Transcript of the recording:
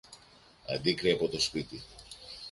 Αντίκρυ από το σπίτι